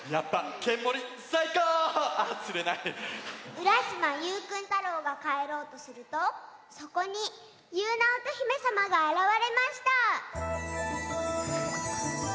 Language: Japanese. うらしまゆうくん太郎がかえろうとするとそこにゆうなおとひめさまがあらわれました！